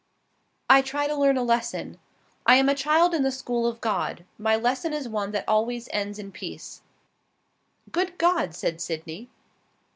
"I try to learn a lesson. I am a child in the school of God. My lesson is one that always ends in peace." "Good God!" said Sydney.